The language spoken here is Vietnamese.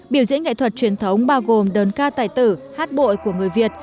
biểu diễn nghệ thuật truyền thống bao gồm đớn ca tài tử hát bội của người việt